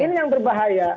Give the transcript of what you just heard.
ini yang berbahaya